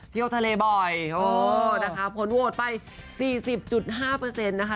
เที่ยวทะเลบ่อยนะคะผลโหวตไป๔๐๕นะคะ